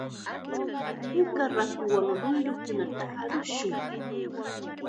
Puka raakuwan ruyrukunata rurashun.